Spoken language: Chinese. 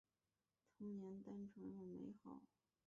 童年单纯而美好